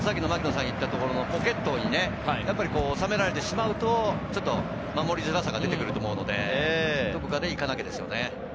ポケットに収められてしまうと、ちょっと守りづらさが出てくると思うので、どこかで行かなきゃですよね。